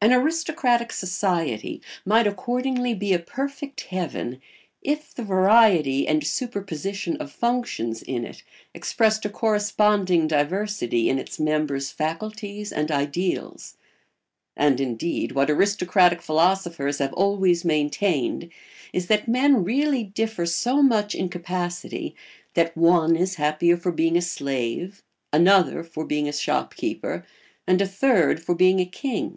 ] An aristocratic society might accordingly be a perfect heaven if the variety and superposition of functions in it expressed a corresponding diversity in its members' faculties and ideals. And, indeed, what aristocratic philosophers have always maintained is that men really differ so much in capacity that one is happier for being a slave, another for being a shopkeeper, and a third for being a king.